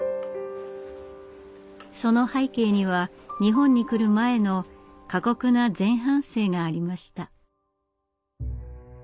その背景には日本に来る前の過酷な前半生がありました。